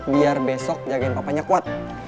biar besok jagain papanya kuat